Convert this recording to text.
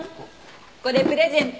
これプレゼント！